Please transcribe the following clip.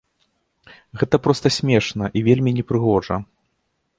Гэта проста смешна і вельмі непрыгожа.